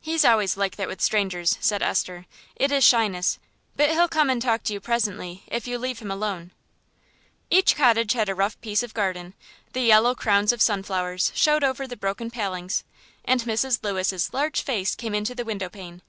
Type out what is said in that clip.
"He's always like that with strangers," said Esther; "it is shyness; but he'll come and talk to you presently, if you leave him alone." Each cottage had a rough piece of garden, the yellow crowns of sunflowers showed over the broken palings, and Mrs. Lewis's large face came into the windowpane.